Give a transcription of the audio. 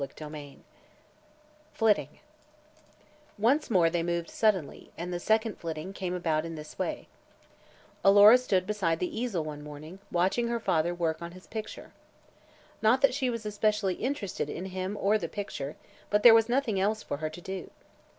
CHAPTER VI FLITTING Once more they moved suddenly, and the second flitting came about in this way: Alora stood beside the easel one morning, watching her father work on his picture. Not that she was especially interested in him or the picture, but there was nothing else for her to do.